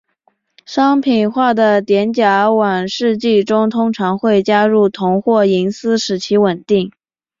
商品化的碘甲烷试剂中通常会加入铜或银丝使其稳定。